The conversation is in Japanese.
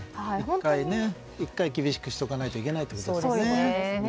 １回、厳しくしておかないといけないということですね。